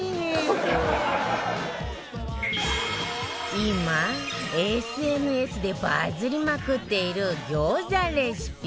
今 ＳＮＳ でバズりまくっている餃子レシピ